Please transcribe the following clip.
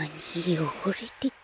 よごれてた？